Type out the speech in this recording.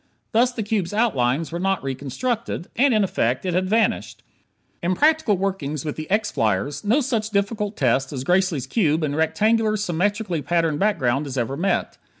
Thus the cube's outlines were not reconstructed; and, in effect, it had vanished. In practical workings with the X flyers, no such difficult test as Gracely's cube and rectangular, symmetrically patterned background is ever met.